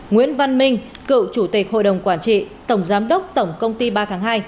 nguyễn văn minh cựu chủ tịch hội đồng quản trị tổng giám đốc tổng công ty ba tháng hai